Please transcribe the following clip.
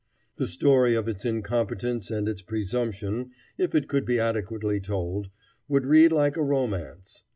The story of its incompetence and its presumption, if it could be adequately told, would read like a romance.